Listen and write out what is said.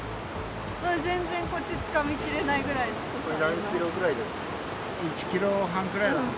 全然こっちつかみ切れないぐらい太さあります。